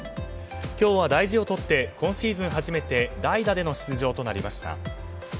今日は大事を取って今シーズン初めて代打での出場となりました。